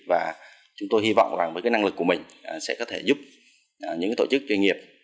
và chúng tôi hy vọng với năng lực của mình sẽ có thể giúp những tổ chức doanh nghiệp